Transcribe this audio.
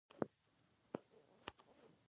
دا یو ډول سیستماتیک تبعیض دی.